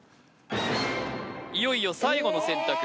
いよいよ最後の選択